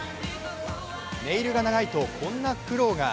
ネイルが長いとこんな苦労が。